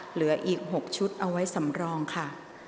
เหลืออีก๖ชุดเอาไว้สำรองค่ะ